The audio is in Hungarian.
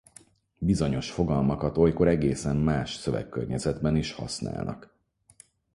Bizonyos fogalmakat olykor egészen más szövegkörnyezetben is használnak.